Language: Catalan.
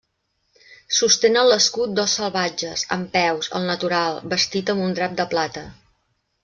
Sostenen l'escut dos salvatges, en peus, al natural, vestit amb un drap de plata.